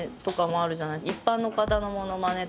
一般の方のモノマネとか。